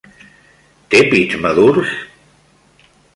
Té pits madurs?